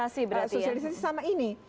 sosialisasi sama ini